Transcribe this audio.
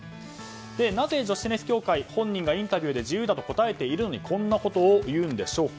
なぜ女子テニス協会本人がインタビューで自由であると答えているのにこんなことを言うのでしょうか。